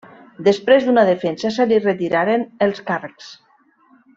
Després d'una defensa se li retiraren els càrrecs.